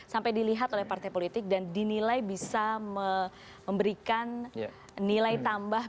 sampai dilihat oleh partai politik dan dinilai bisa memberikan nilai tambah